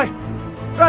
lo mau kemana